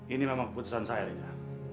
ini memang keputusan saya rida